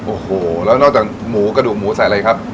โอ้โหแล้วนอกจากหมูกระดูกหมูใส่อะไรครับ